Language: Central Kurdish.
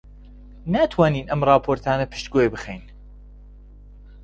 ناتوانین ئەم ڕاپۆرتانە پشتگوێ بخەین.